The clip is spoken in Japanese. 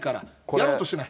やろうとしない。